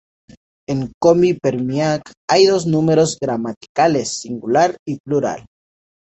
En Komi-Permyak hay dos números gramaticales: singular y plural.